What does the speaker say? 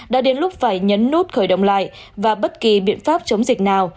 đã đến lúc phải nhấn nút khởi động lại và bất kỳ biện pháp chống dịch nào